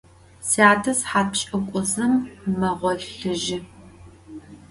Syate sıhat pş'ık'uzım meğolhıjı.